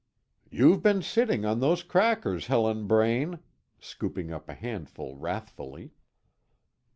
"You've been sitting on those crackers, Helen Braine," scooping up a handful wrathfully.